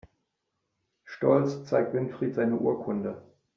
Stolz zeigt Winfried seine Urkunde.